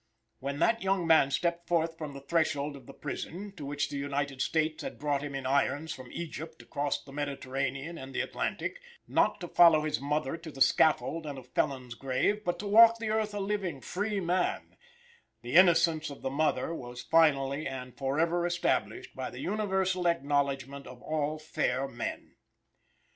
When that young man stepped forth from the threshold of the prison, to which the United States had brought him in irons from Egypt across the Mediterranean and the Atlantic, not to follow his mother to the scaffold and a felon's grave, but to walk the earth a living, free man, the innocence of the mother was finally and forever established by the universal acknowledgment of all fair men.